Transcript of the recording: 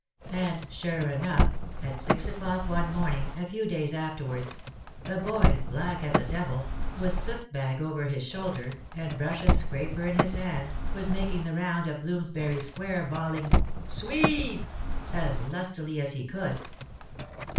"And, sure enough, at six o'clock one morning—a few days afterwards—a boy, black as a devil, with soot bag over his shoulder, and brush and scraper in his hand, was making the round of Bloomsbury Square, bawling, 'Sweep!' as lustily as he could.